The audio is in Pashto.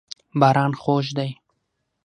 باران خوږ دی.